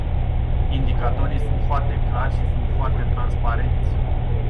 Indicatorii sunt clari și sunt foarte transparenți.